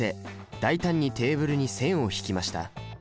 大胆にテーブルに線を引きました。